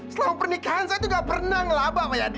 selama pernikahan saya itu nggak pernah ngelabak pak yadi